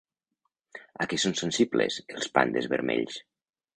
A què són sensibles els pandes vermells?